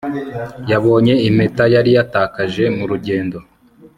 Yabonye impeta yari yatakaje mu rugendo